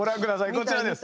こちらです。